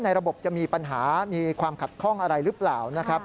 ระบบจะมีปัญหามีความขัดข้องอะไรหรือเปล่านะครับ